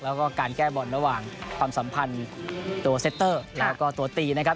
แล้วก็การแก้บอลระหว่างความสัมพันธ์ตัวเซตเตอร์แล้วก็ตัวตีนะครับ